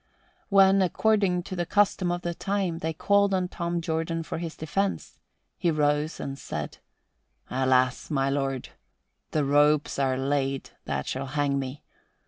When, according to the custom of the time, they called on Tom Jordan for his defense, he rose and said, "Alas, my lord, the ropes are laid that shall hang me.